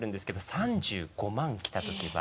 ３５万来た時は。